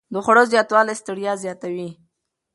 د خوړو زیاتوالی ستړیا زیاتوي.